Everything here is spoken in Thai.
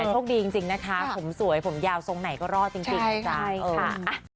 โชคดีจริงนะคะผมสวยผมยาวทรงไหนก็รอดจริง